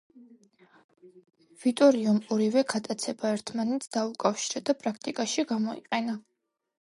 ვიტორიომ ორივე გატაცება ერთმანეთს დაუკავშირა და პრაქტიკაში გამოიყენა.